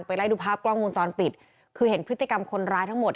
ไล่ดูภาพกล้องวงจรปิดคือเห็นพฤติกรรมคนร้ายทั้งหมด